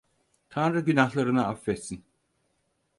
Tanrı günahlarını affetsin.